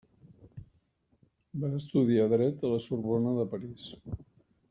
Va estudiar dret a la Sorbona de París.